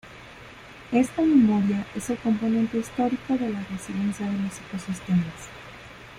Esta memoria es el componente histórico de la resiliencia de los ecosistemas.